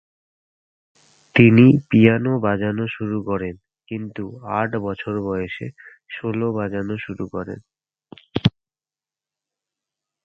তিনি পিয়ানো বাজাতে শুরু করেন, কিন্তু আট বছর বয়সে সেলো বাজানো শুরু করেন।